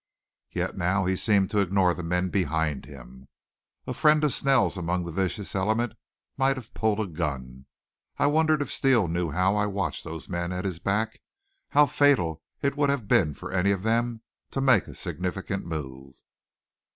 Yet now he seemed to ignore the men behind him. Any friend of Snell's among the vicious element might have pulled a gun. I wondered if Steele knew how I watched those men at his back how fatal it would have been for any of them to make a significant move.